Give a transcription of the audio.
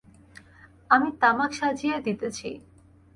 আমি তামাক সাজিয়া দিতেছি।